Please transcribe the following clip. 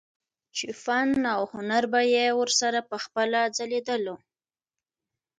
چې فن او هنر به يې ورسره پخپله ځليدلو